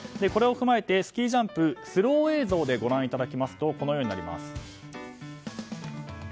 これを踏まえてスキージャンプをスロー映像でご覧いただきますとこのようになります。